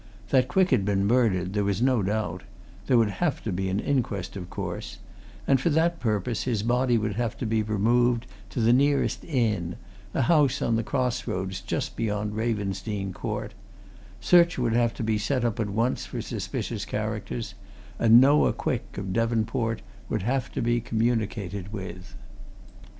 That Quick had been murdered there was no doubt; there would have to be an inquest, of course, and for that purpose his body would have to be removed to the nearest inn, a house on the cross roads just beyond Ravensdene Court; search would have to be set up at once for suspicious characters, and Noah Quick, of Devonport, would have to be communicated with.